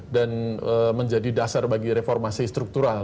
dan menjadi dasar bagi reformasi struktural